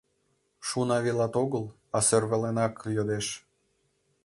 Шуна велат огыл, а сӧрваленак йодеш.